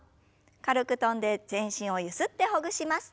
軽く跳んで全身をゆすってほぐします。